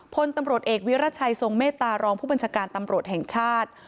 พลตำรวจเอกวิรัชัยทรงเมตตารองผู้บัญชาการตำรวจแห่งชาติ